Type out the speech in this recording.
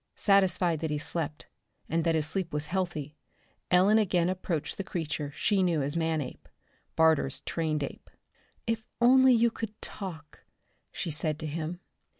Satisfied that he slept, and that his sleep was healthy, Ellen again approached the creature she knew as Manape, Barter's trained ape. "If only you could talk," she said to him.